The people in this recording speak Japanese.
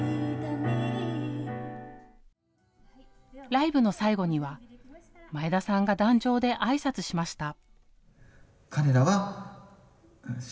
ライブの最後には前田さんが壇上であいさつしました。